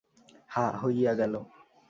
হাঁ, হইয়া গেল।